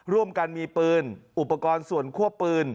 ร่วมกันมีปืนอุปกรณ์ส่วนควบปืน